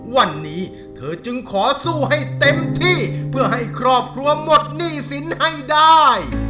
วันนี้เธอจึงขอสู้ให้เต็มที่เพื่อให้ครอบครัวหมดหนี้สินให้ได้